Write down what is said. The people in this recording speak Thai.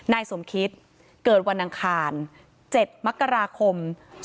นายสมคิตเกิดวันอังคาร๗มกราคม๒๕๖